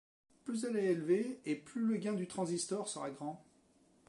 Plus elle est élevée, et plus le gain du transistor sera grand.